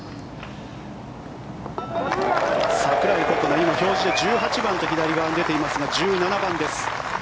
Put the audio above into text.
櫻井心那、今、表示で１８番と左側に出ていますが１７番です。